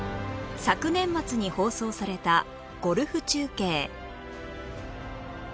昨年末に放送されたゴルフ中継